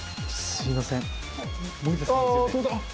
すいません。